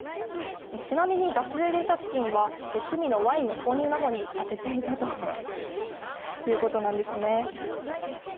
ちなみに、脱税で得た資金は趣味のワインの購入などに充てていたということです。